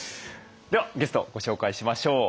ではゲストをご紹介しましょう。